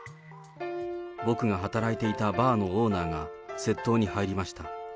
僕が働いていたバーのオーナーが窃盗に入りました。